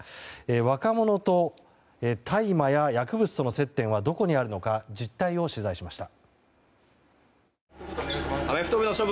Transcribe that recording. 若者と大麻や薬物との接点はどこにあるのか実態を取材しました。